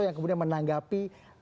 yang kemudian menanggapi